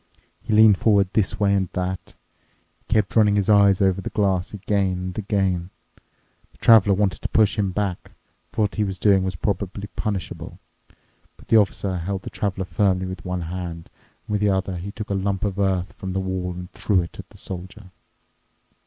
He leaned forward this way and that. He kept running his eyes over the glass again and again. The Traveler wanted to push him back, for what he was doing was probably punishable. But the Officer held the Traveler firmly with one hand, and with the other he took a lump of earth from the wall and threw it at the Soldier.